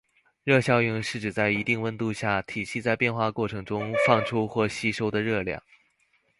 热效应是指在一定温度下，体系在变化过程中放出或吸收的热量。